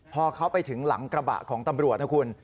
พอเขาไปถึงหลังกระบะของตำรวจนะคุณ